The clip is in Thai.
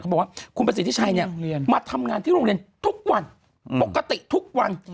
บอกว่าคุณประสิทธิชัยเนี่ยมาทำงานที่โรงเรียนทุกวันปกติทุกวัน